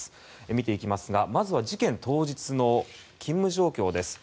見ていきますがまずは事件当日の勤務状況です。